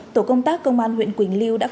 tổ công tác công an huyện quỳnh lưu đã khám phá